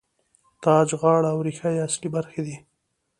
تاج، غاړه او ریښه یې اصلي برخې دي.